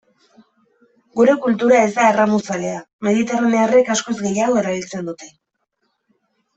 Gure kultura ez da erramuzalea, mediterranearrek askoz gehiago erabiltzen dute.